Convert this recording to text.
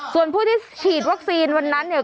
ส่วนผู้ที่ฉีดวัคซีนวันนั้นเนี่ย